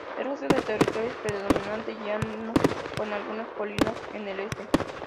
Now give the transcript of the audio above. El resto del territorio es predominantemente llano, con algunas colinas en el este.